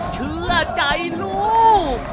เชื่อใจลูก